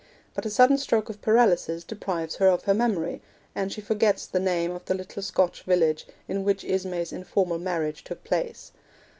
But a sudden stroke of paralysis deprives her of her memory, and she forgets the name of the little Scotch village in which Ismay's informal marriage took place.